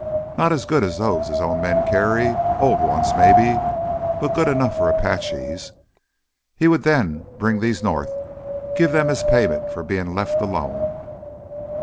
Not as good as those his own men carry—old ones maybe, but good enough for Apaches. He would then bring these north, give them as payment for being left alone."